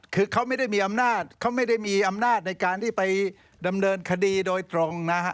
คือเขาไม่ได้มีอำนาจในการที่ไปดำเนินคดีโดยตรงนะฮะ